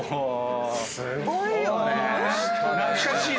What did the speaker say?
すごいよね。